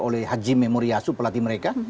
oleh hajime moriyasu pelatih mereka